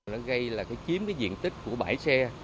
nó gây là cái chiếm cái diện tích của bãi xe